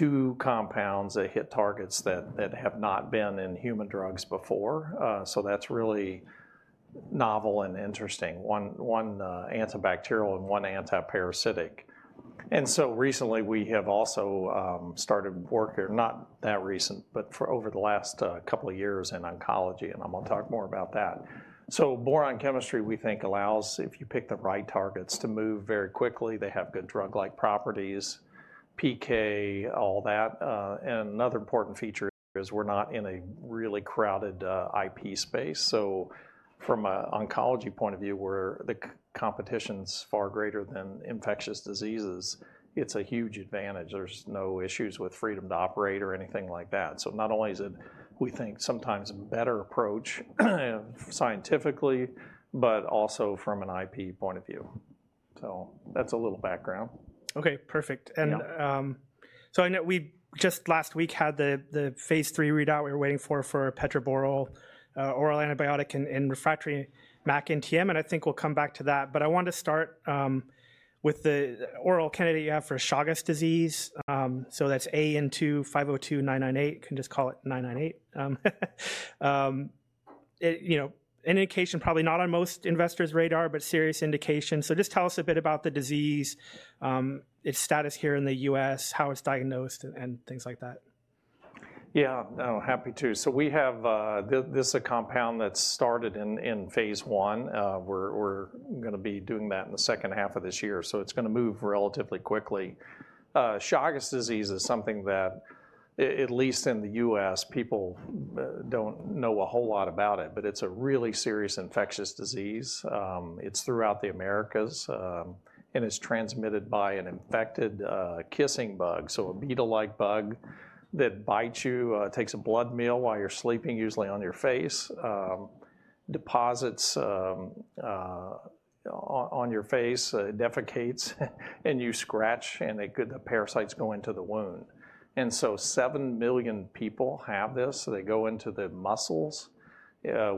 Two compounds that hit targets that have not been in human drugs before, so that's really novel and interesting: one antibacterial and one antiparasitic. Recently we have also started work—not that recent, but over the last couple of years—in oncology, and I'm going to talk more about that. Boron chemistry, we think, allows, if you pick the right targets, to move very quickly. They have good drug-like properties, PK, all that. Another important feature is we're not in a really crowded IP space, so from an oncology point of view, where the competition's far greater than infectious diseases, it's a huge advantage. There's no issues with freedom to operate or anything like that. Not only is it, we think, sometimes a better approach scientifically, but also from an IP point of view. That's a little background. Okay, perfect. I know we just last week had the phase III readout we were waiting for, for epetraborole oral antibiotic in refractory MAC NTM, and I think we'll come back to that. I wanted to start with the oral candidate you have for Chagas disease. That's AN2-502998. You can just call it 998. You know, an indication probably not on most investors' radar, but serious indication. Just tell us a bit about the disease, its status here in the U.S., how it's diagnosed, and things like that. Yeah, happy to. We have this is a compound that started in phase I. We're going to be doing that in the second half of this year, so it's going to move relatively quickly. Chagas disease is something that, at least in the U.S., people don't know a whole lot about it, but it's a really serious infectious disease. It's throughout the Americas, and it's transmitted by an infected kissing bug, so a beetle-like bug that bites you, takes a blood meal while you're sleeping, usually on your face, deposits on your face, defecates, and you scratch, and the parasites go into the wound. Seven million people have this. They go into the muscles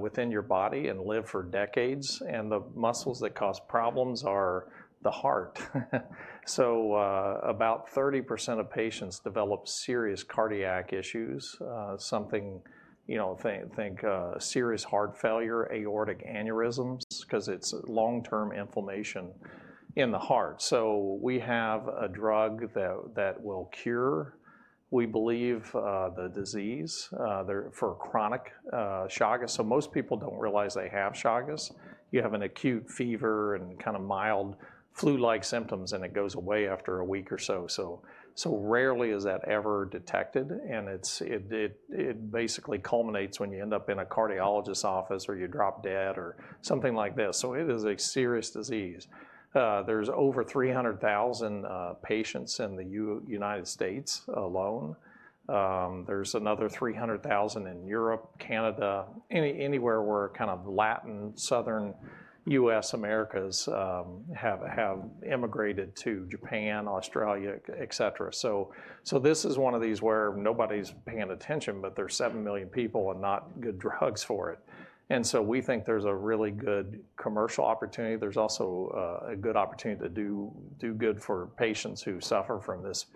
within your body and live for decades, and the muscles that cause problems are the heart. About 30% of patients develop serious cardiac issues, something, you know, think serious heart failure, aortic aneurysms, because it's long-term inflammation in the heart. We have a drug that will cure, we believe, the disease for chronic Chagas. Most people don't realize they have Chagas. You have an acute fever and kind of mild flu-like symptoms, and it goes away after a week or so. Rarely is that ever detected, and it basically culminates when you end up in a cardiologist's office or you drop dead or something like this. It is a serious disease. There's over 300,000 patients in the United States alone. There's another 300,000 in Europe, Canada, anywhere where kind of Latin, Southern U.S. Americas have immigrated to Japan, Australia, etc. This is one of these where nobody's paying attention, but there's seven million people and not good drugs for it. We think there's a really good commercial opportunity. There's also a good opportunity to do good for patients who suffer from this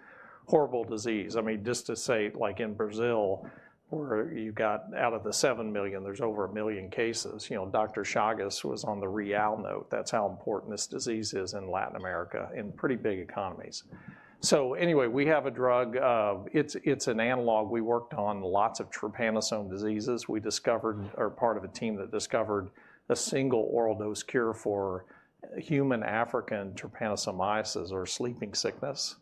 horrible disease. I mean, just to say, like in Brazil, where you've got out of the seven million, there's over a million cases. You know, Dr. Chagas was on the real note. That's how important this disease is in Latin America in pretty big economies. Anyway, we have a drug. It's an analog. We worked on lots of trypanosome diseases. We discovered, or were part of a team that discovered a single oral dose cure for human African trypanosomiasis, or sleeping sickness.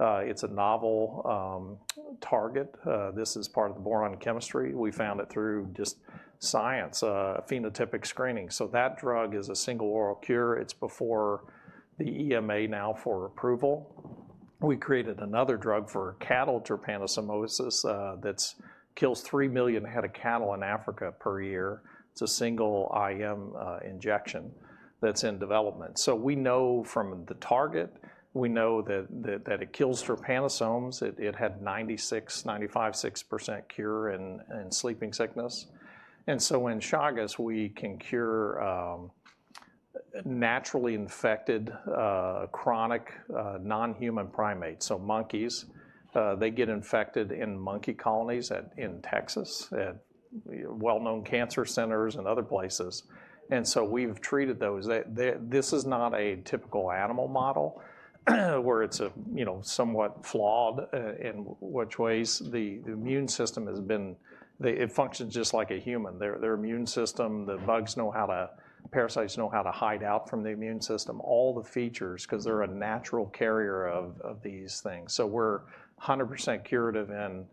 It's a novel target. This is part of the boron chemistry. We found it through just science, phenotypic screening. That drug is a single oral cure. It's before the EMA now for approval. We created another drug for cattle trypanosomosis that kills three million head of cattle in Africa per year. It's a single IM injection that's in development. So we know from the target, we know that it kills trypanosomes. It had 96%, 95%, 96% cure in sleeping sickness. And so in Chagas, we can cure naturally infected chronic non-human primates. So monkeys, they get infected in monkey colonies in Texas, at well-known cancer centers and other places. And so we've treated those. This is not a typical animal model where it's a, you know, somewhat flawed in which ways the immune system has been—it functions just like a human. Their immune system, the bugs know how to, parasites know how to hide out from the immune system, all the features, because they're a natural carrier of these things. So we're 100% curative in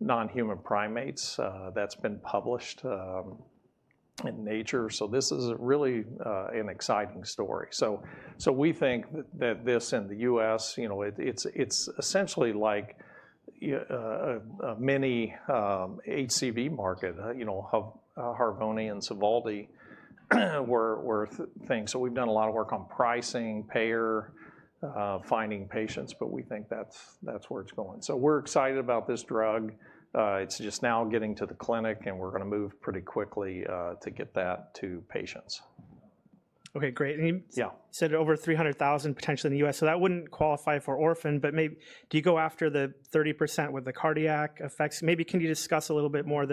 non-human primates. That's been published in Nature. This is really an exciting story. We think that this in the U.S., you know, it's essentially like many HCV market, you know, Harvoni and Sovaldi were things. We've done a lot of work on pricing, payer, finding patients, but we think that's where it's going. We're excited about this drug. It's just now getting to the clinic, and we're going to move pretty quickly to get that to patients. Okay, great. You said over 300,000 potentially in the U.S., so that would not qualify for orphan, but maybe do you go after the 30% with the cardiac effects? Maybe can you discuss a little bit more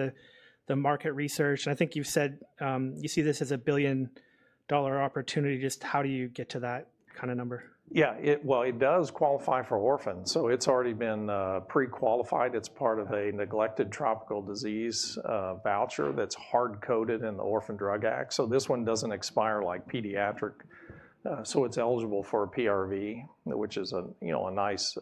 the market research? I think you have said you see this as a billion-dollar opportunity. Just how do you get to that kind of number? Yeah, it does qualify for orphan. So it's already been pre-qualified. It's part of a neglected tropical disease voucher that's hard-coded in the Orphan Drug Act. This one doesn't expire like pediatric. It's eligible for a PRV, which is a nice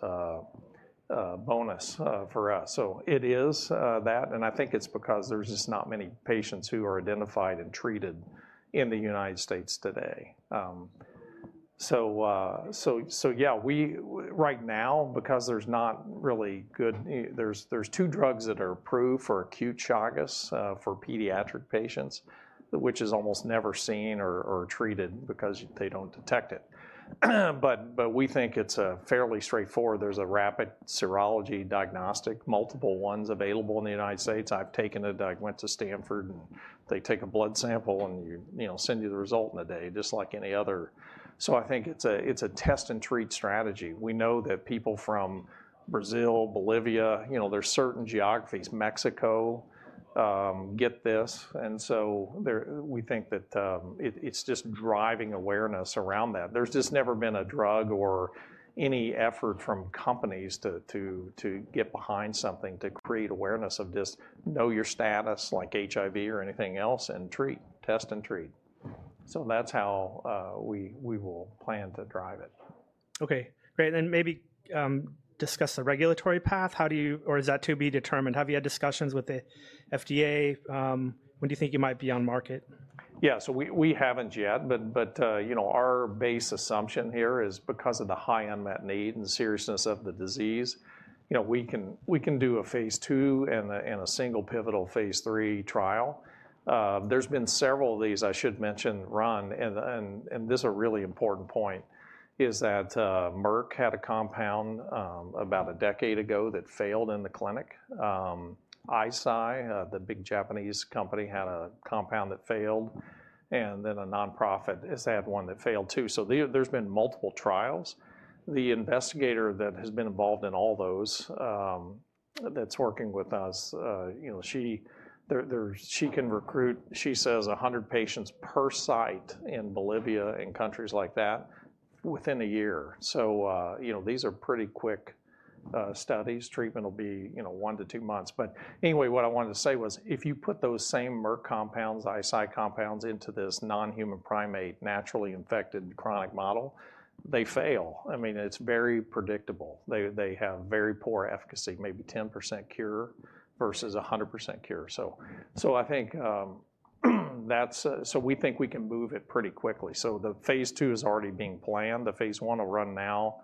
bonus for us. It is that, and I think it's because there's just not many patients who are identified and treated in the United States today. Right now, because there's not really good—there's two drugs that are approved for acute Chagas for pediatric patients, which is almost never seen or treated because they don't detect it. We think it's fairly straightforward. There's a rapid serology diagnostic, multiple ones available in the United States. I've taken it. I went to Stanford, and they take a blood sample and, you know, send you the result in a day, just like any other. I think it's a test-and-treat strategy. We know that people from Brazil, Bolivia, you know, there's certain geographies, Mexico, get this. And we think that it's just driving awareness around that. There's just never been a drug or any effort from companies to get behind something to create awareness of just know your status like HIV or anything else and treat, test and treat. That's how we will plan to drive it. Okay, great. Maybe discuss the regulatory path. How do you—or is that to be determined? Have you had discussions with the FDA? When do you think you might be on market? Yeah, so we haven't yet, but you know, our base assumption here is because of the high unmet need and seriousness of the disease, you know, we can do phase II and a single pivotal phase III trial. There's been several of these I should mention run. This is a really important point, is that Merck had a compound about a decade ago that failed in the clinic. Eisai, the big Japanese company, had a compound that failed, and then a nonprofit has had one that failed too. So there's been multiple trials. The investigator that has been involved in all those that's working with us, you know, she can recruit, she says, 100 patients per site in Bolivia and countries like that within a year. You know, these are pretty quick studies. Treatment will be, you know, one to two months. Anyway, what I wanted to say was if you put those same Merck compounds, Eisai compounds into this non-human primate naturally infected chronic model, they fail. I mean, it's very predictable. They have very poor efficacy, maybe 10% cure versus 100% cure. I think that's—so we think we can move it pretty quickly. phase II is already being planned. The phase I will run now,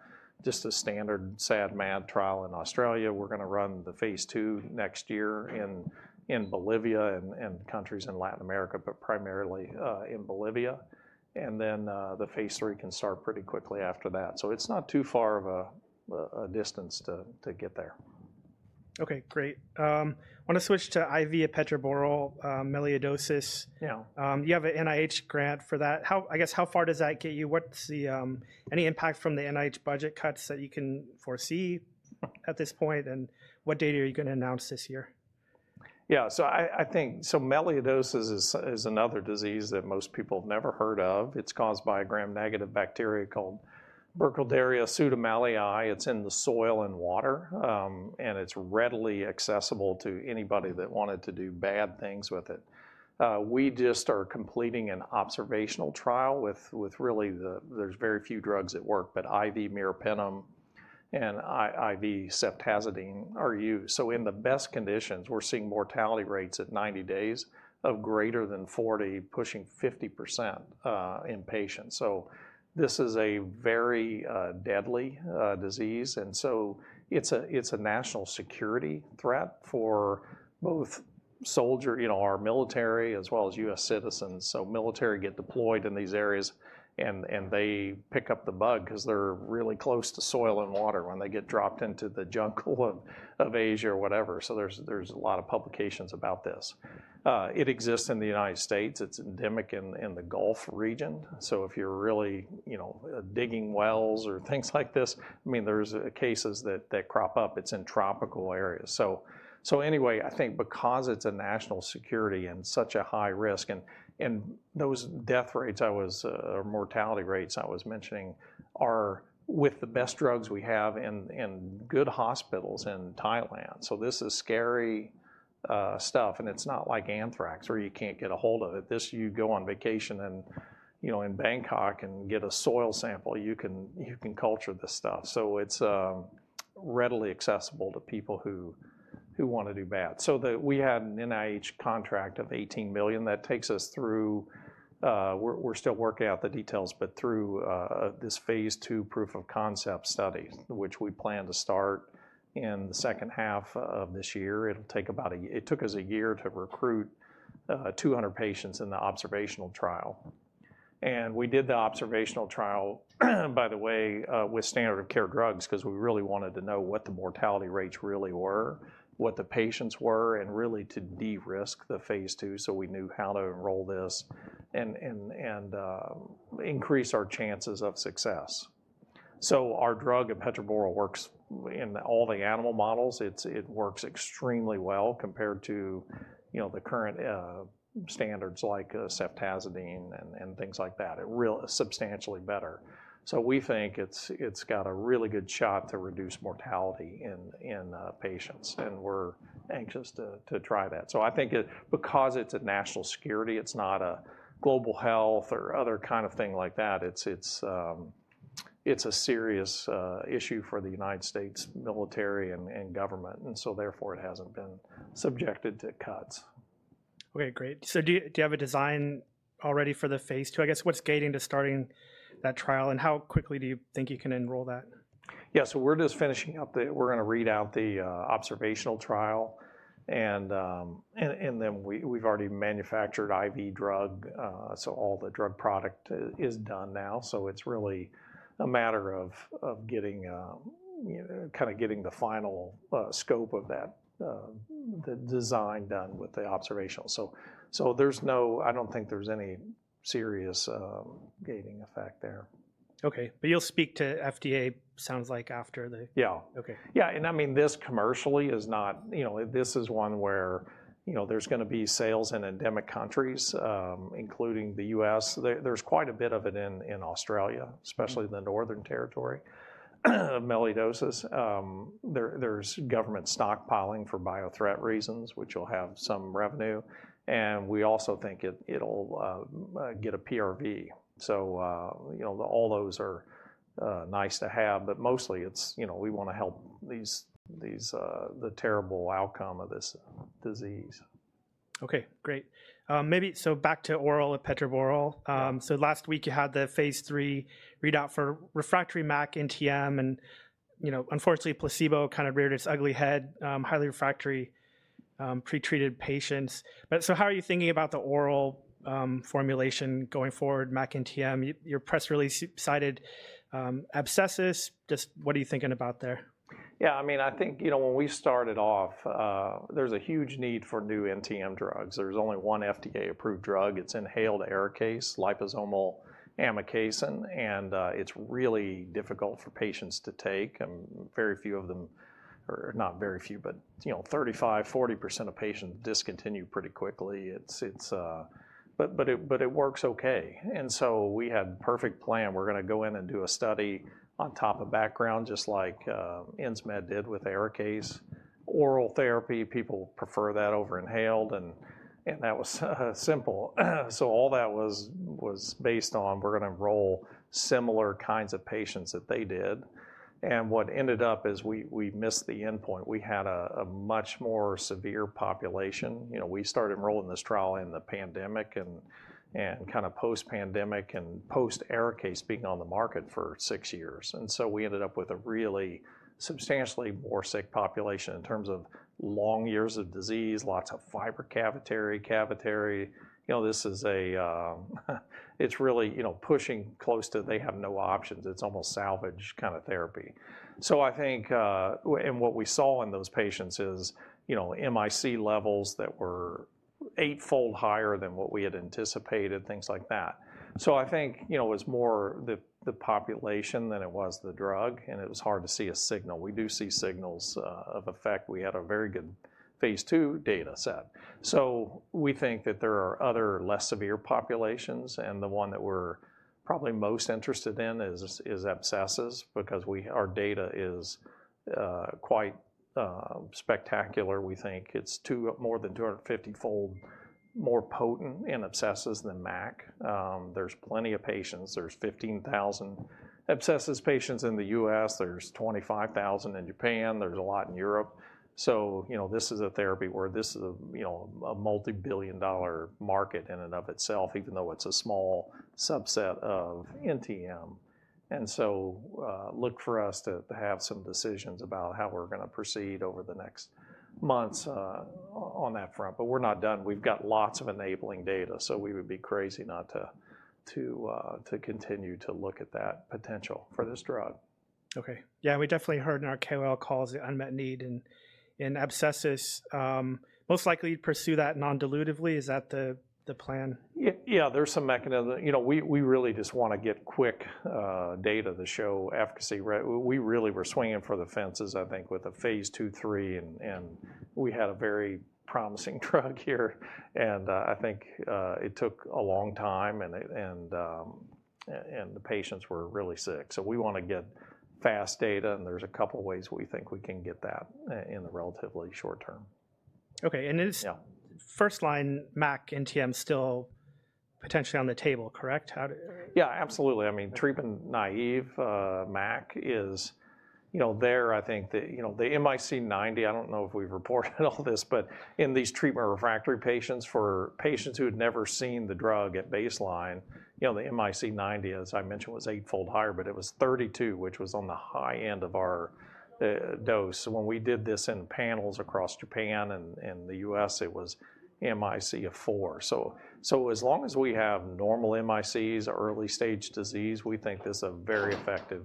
just a standard sad mad trial in Australia. We're going to run phase II next year in Bolivia and countries in Latin America, but primarily in Bolivia. The phase III can start pretty quickly after that. It's not too far of a distance to get there. Okay, great. I want to switch to IV of epetraborole for melioidosis. You have an NIH grant for that. I guess how far does that get you? What's the—any impact from the NIH budget cuts that you can foresee at this point? And what date are you going to announce this year? Yeah, so I think—so melioidosis is another disease that most people have never heard of. It's caused by a gram-negative bacteria called Burkholderia pseudomallei. It's in the soil and water, and it's readily accessible to anybody that wanted to do bad things with it. We just are completing an observational trial with really the—there's very few drugs that work, but IV meropenem and IV ceftazidime are used. In the best conditions, we're seeing mortality rates at 90 days of greater than 40%, pushing 50% in patients. This is a very deadly disease. It is a national security threat for both soldiers, you know, our military, as well as U.S. citizens. Military get deployed in these areas, and they pick up the bug because they're really close to soil and water when they get dropped into the jungle of Asia or whatever. There's a lot of publications about this. It exists in the United States. It's endemic in the Gulf region. If you're really, you know, digging wells or things like this, I mean, there's cases that crop up. It's in tropical areas. Anyway, I think because it's a national security and such a high risk, and those death rates or mortality rates I was mentioning are with the best drugs we have in good hospitals in Thailand. This is scary stuff, and it's not like anthrax where you can't get a hold of it. This you go on vacation and, you know, in Bangkok and get a soil sample, you can culture this stuff. It's readily accessible to people who want to do bad. We had an NIH contract of $18 million. That takes us through—we're still working out the details—but through phase II proof of concept study, which we plan to start in the second half of this year. It'll take about a—it took us a year to recruit 200 patients in the observational trial. And we did the observational trial, by the way, with standard of care drugs because we really wanted to know what the mortality rates really were, what the patients were, and really to de-risk phase II so we knew how to enroll this and increase our chances of success. So our drug, epetraborole, works in all the animal models. It works extremely well compared to, you know, the current standards like ceftazidime and things like that. It's substantially better. We think it's got a really good shot to reduce mortality in patients, and we're anxious to try that. I think because it's a national security, it's not a global health or other kind of thing like that. It's a serious issue for the United States military and government, and so therefore it hasn't been subjected to cuts. Okay, great. Do you have a design already for phase II? i guess what's gating to starting that trial, and how quickly do you think you can enroll that? Yeah, so we're just finishing up the—we're going to read out the observational trial, and then we've already manufactured IV drug, so all the drug product is done now. It's really a matter of getting kind of getting the final scope of that design done with the observational. There's no—I don't think there's any serious gating effect there. Okay, but you'll speak to FDA, sounds like, after the— Yeah. Okay. Yeah, and I mean, this commercially is not, you know, this is one where, you know, there's going to be sales in endemic countries, including the U.S. There's quite a bit of it in Australia, especially the Northern Territory, melioidosis. There's government stockpiling for biothreat reasons, which will have some revenue. We also think it'll get a PRV. You know, all those are nice to have, but mostly it's, you know, we want to help the terrible outcome of this disease. Okay, great. Maybe so back to oral epetraborole. Last week you had the phase III readout for refractory MAC NTM, and you know, unfortunately, placebo kind of reared its ugly head, highly refractory pretreated patients. But how are you thinking about the oral formulation going forward, MAC NTM? Your press release cited abscesses. Just what are you thinking about there? Yeah, I mean, I think, you know, when we started off, there's a huge need for new NTM drugs. There's only one FDA-approved drug. It's inhaled Arikayce liposomal amikacin, and it's really difficult for patients to take. And very few of them—or not very few, but, you know, 35%-40% of patients discontinue pretty quickly. But it works okay. We had a perfect plan. We're going to go in and do a study on top of background, just like Insmed did with Arikayce. Oral therapy, people prefer that over inhaled, and that was simple. All that was based on we're going to enroll similar kinds of patients that they did. What ended up is we missed the endpoint. We had a much more severe population. You know, we started enrolling this trial in the pandemic and kind of post-pandemic and post-Arikayce being on the market for six years. We ended up with a really substantially more sick population in terms of long years of disease, lots of fibrocavitary, cavitary. You know, this is a—it's really, you know, pushing close to they have no options. It's almost salvage kind of therapy. I think, and what we saw in those patients is, you know, MIC levels that were eightfold higher than what we had anticipated, things like that. I think, you know, it was more the population than it was the drug, and it was hard to see a signal. We do see signals of effect. We had a very phase II data set. We think that there are other less severe populations, and the one that we're probably most interested in is abscessus because our data is quite spectacular. We think it's more than 250-fold more potent in abscessus than MAC. There's plenty of patients. There's 15,000 abscessus patients in the U.S. There's 25,000 in Japan. There's a lot in Europe. You know, this is a therapy where this is a, you know, a multi-billion dollar market in and of itself, even though it's a small subset of NTM. Look for us to have some decisions about how we're going to proceed over the next months on that front. We're not done. We've got lots of enabling data, so we would be crazy not to continue to look at that potential for this drug. Okay. Yeah, we definitely heard in our KOL calls the unmet need in abscesses. Most likely you'd pursue that non-dilutively. Is that the plan? Yeah, there's some mechanism. You know, we really just want to get quick data to show efficacy. We really were swinging for the fences, I think, with phase II, three, and we had a very promising drug here. I think it took a long time, and the patients were really sick. We want to get fast data, and there's a couple of ways we think we can get that in the relatively short term. Okay, and it's first line MAC NTM still potentially on the table, correct? Yeah, absolutely. I mean, treatment naive MAC is, you know, there. I think that, you know, the MIC 90, I do not know if we have reported all this, but in these treatment refractory patients for patients who had never seen the drug at baseline, you know, the MIC 90, as I mentioned, was eightfold higher, but it was 32, which was on the high end of our dose. When we did this in panels across Japan and the U.S., it was MIC of four. As long as we have normal MICs, early stage disease, we think this is a very effective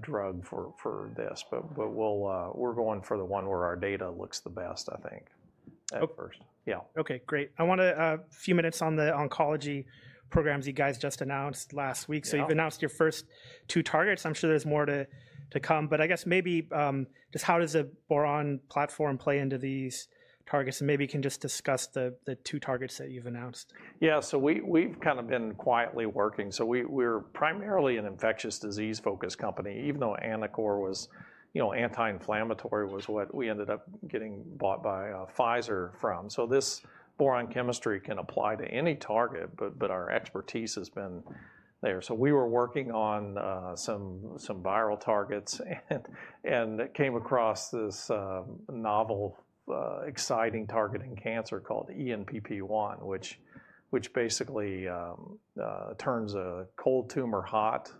drug for this. We are going for the one where our data looks the best, I think, at first. Yeah. Okay, great. I want a few minutes on the oncology programs you guys just announced last week. You have announced your first two targets. I'm sure there's more to come. I guess maybe just how does the boron platform play into these targets? Maybe you can just discuss the two targets that you have announced. Yeah, so we've kind of been quietly working. We're primarily an infectious disease focused company, even though Anacor was, you know, anti-inflammatory was what we ended up getting bought by Pfizer from. This boron chemistry can apply to any target, but our expertise has been there. We were working on some viral targets and came across this novel exciting target in cancer called ENPP1, which basically turns a cold tumor hot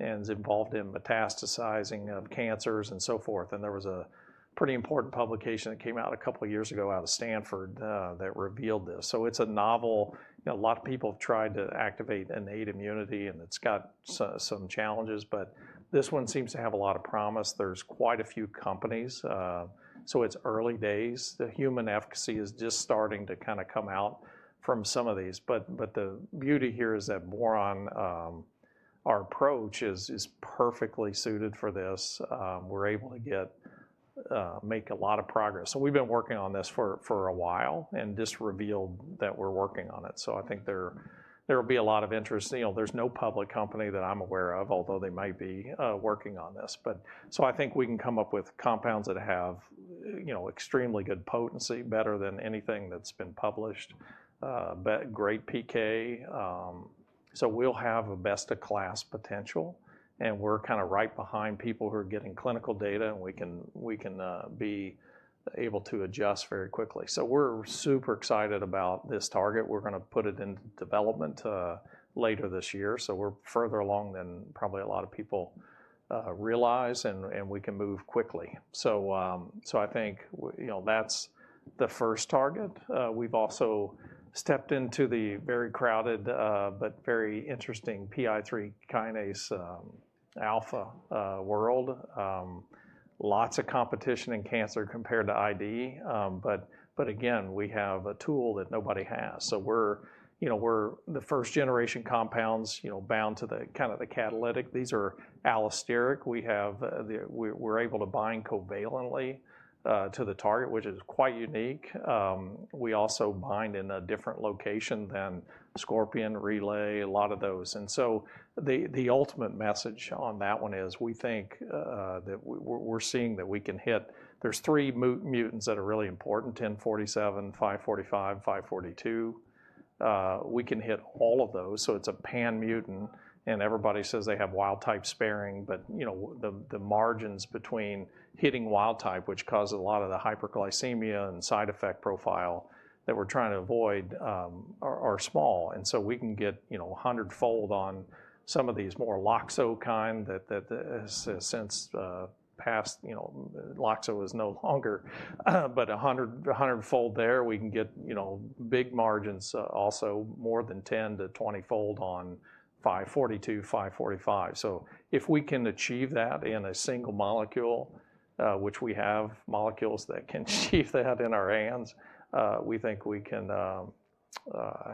and is involved in metastasizing of cancers and so forth. There was a pretty important publication that came out a couple of years ago out of Stanford that revealed this. It's a novel, you know, a lot of people have tried to activate innate immunity, and it's got some challenges, but this one seems to have a lot of promise. There's quite a few companies. It's early days. The human efficacy is just starting to kind of come out from some of these. But the beauty here is that boron, our approach, is perfectly suited for this. We're able to make a lot of progress. So we've been working on this for a while and just revealed that we're working on it. I think there will be a lot of interest. You know, there's no public company that I'm aware of, although they might be working on this. I think we can come up with compounds that have, you know, extremely good potency, better than anything that's been published, but great PK. We'll have a best of class potential, and we're kind of right behind people who are getting clinical data, and we can be able to adjust very quickly. We're super excited about this target. We're going to put it into development later this year. We're further along than probably a lot of people realize, and we can move quickly. I think, you know, that's the first target. We've also stepped into the very crowded but very interesting PI3Kα world. Lots of competition in cancer compared to ID. Again, we have a tool that nobody has. We're, you know, we're the first-generation compounds, you know, bound to the kind of the catalytic. These are allosteric. We're able to bind covalently to the target, which is quite unique. We also bind in a different location than Scorpion, Relay, a lot of those. The ultimate message on that one is we think that we're seeing that we can hit—there's three mutants that are really important: 1047, 545, 542. We can hit all of those. It's a pan mutant, and everybody says they have wild type sparing, but, you know, the margins between hitting wild type, which causes a lot of the hyperglycemia and side effect profile that we're trying to avoid, are small. We can get, you know, a hundredfold on some of these more Loxo kind that has since passed, you know, Loxo is no longer, but a hundredfold there. We can get, you know, big margins also, more than 10-20 fold on 542, 545. If we can achieve that in a single molecule, which we have molecules that can achieve that in our hands, we think we can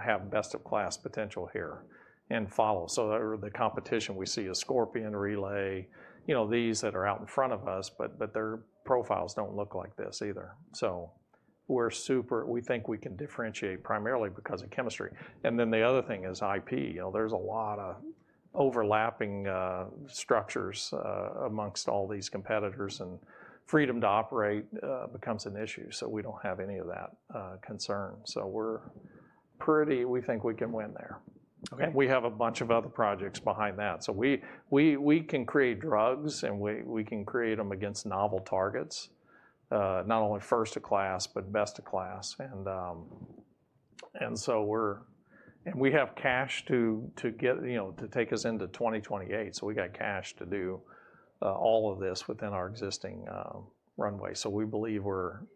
have best of class potential here and follow. The competition we see is Scorpion, Relay, you know, these that are out in front of us, but their profiles don't look like this either. We are super—we think we can differentiate primarily because of chemistry. And then the other thing is IP. You know, there is a lot of overlapping structures amongst all these competitors, and freedom to operate becomes an issue. We do not have any of that concern. We are pretty—we think we can win there. Okay. We have a bunch of other projects behind that. We can create drugs, and we can create them against novel targets, not only first of class, but best of class. We have cash to get, you know, to take us into 2028. We got cash to do all of this within our existing runway. We believe we are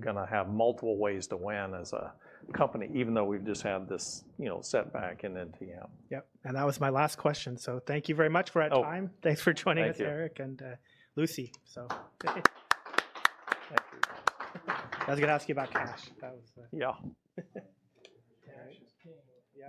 going to have multiple ways to win as a company, even though we have just had this, you know, setback in NTM. Yep. That was my last question. Thank you very much for that time. Thanks for joining us, Eric and Lucy. I was going to ask you about cash. Yeah.